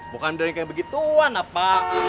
bukan dari yang kayak begituan apa